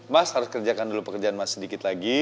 mas harus kerjakan dulu pekerjaan mas sedikit lagi